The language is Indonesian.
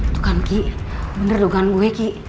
tuh kan ki bener dogan gue